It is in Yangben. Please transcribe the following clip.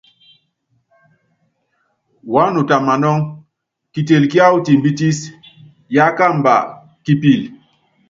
Wanuta manɔ́ŋ, kitel kiáwɔ timbitis yakamba kipil.